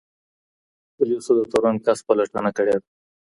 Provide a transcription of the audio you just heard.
پولیسو د تورن کس پلټنه کړې ده.